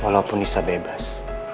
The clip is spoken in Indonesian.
walaupun nisa bebas